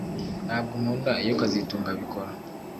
Ntabwo nkunda iyo kazitunga abikora